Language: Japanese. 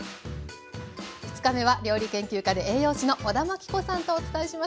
２日目は料理研究家で栄養士の小田真規子さんとお伝えします。